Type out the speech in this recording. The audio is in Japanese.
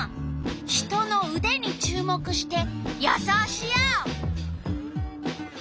人のうでに注目して予想しよう。